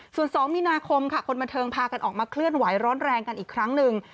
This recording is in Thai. ส่วน๒มีนาคมค่ะคนบันเทิงพากันออกมาเคลื่อนไหวร้อนแรงกันอีกครั้งหนึ่ง